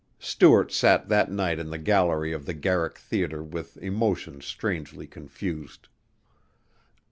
Stuart sat that night in the gallery of the Garrick theater with emotions strangely confused.